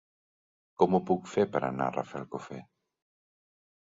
Com ho puc fer per anar a Rafelcofer?